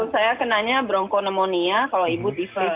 saya kenanya bronchopneumonia kalau ibu di siflas